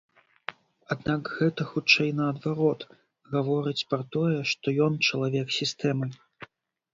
Аднак гэта хутчэй, наадварот, гаворыць пра тое, што ён чалавек сістэмы.